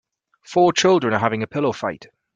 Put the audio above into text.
Four children are having a pillow fight.